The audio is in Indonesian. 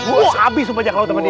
wah abis bajak lautnya sama dia